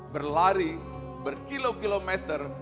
berlari berkilau kilau meter